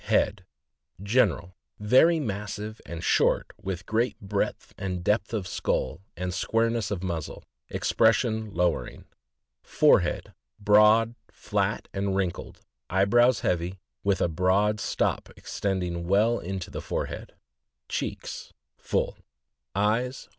HEAD. General. — Very massive and short, with great breadth and depth of skull, and squareness of muzzle. Expression lowering. Forehead. — Broad, fiat, and wrinkled; eyebrows heavy, with a broad stop extending well into the forehead. Gfafifo.— Full Eyes.